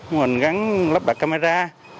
mô hình gắn lắp bạc camera